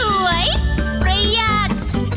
สวยประหยัด